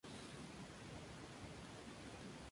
La entrada es gratis para el público.